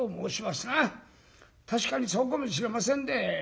確かにそうかもしれませんで。